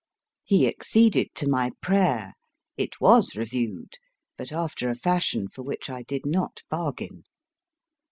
He acceded to my prayer ; it was reviewed, but after a fashion for which I did not bargain.